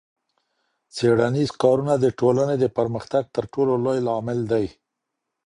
څېړنیز کارونه د ټولني د پرمختګ ترټولو لوی لامل دی.